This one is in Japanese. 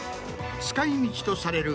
使い道とされる